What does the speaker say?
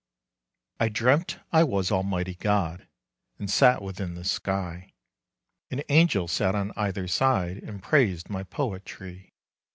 I dreamt I was Almighty God, And sat within the sky, And angels sat on either side, And praised my poetry.